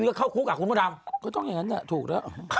ตอนนั้นกว่าเขาแม่งหนุ่ม